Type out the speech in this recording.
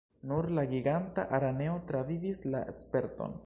Nur la Giganta Araneo travivis la sperton.